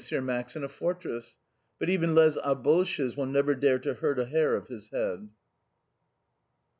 Max in a fortress! But even les alboches will never dare to hurt a hair of his head!"